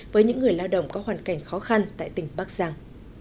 với những người lao động có hoàn cảnh khó khăn tại tỉnh bắc giang